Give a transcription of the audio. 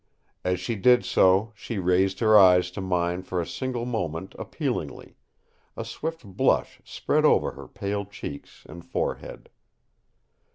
As she did so she raised her eyes to mine for a single moment appealingly; a swift blush spread over her pale cheeks and forehead.